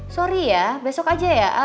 sorry ya besok aja ya